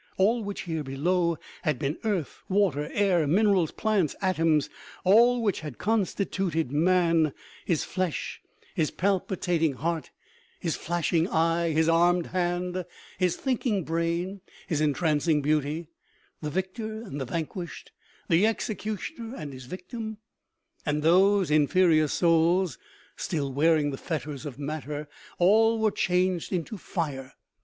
All which here below had been earth, water, air, minerals, plants, atoms; all which had constituted man, his flesh, his palpitating 286 OMEGA. heart, his flashing eye, his armed hand, his thinking brain, his entrancing beauty ; the victor and the van quished, the executioner and his victim, and those in ferior souls still wearing the fetters of matter, all were changed into fire.